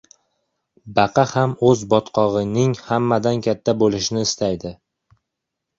• Baqa ham o‘z botqog‘ining hammadan katta bo‘lishini istaydi.